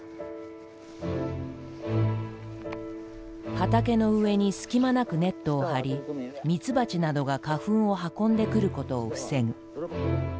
畑の上に隙間なくネットを張り蜜蜂などが花粉を運んでくることを防ぐ。